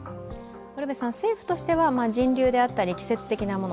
政府としては人流であったり季節的なもの